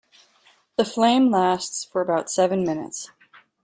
The flame lasts for about seven minutes.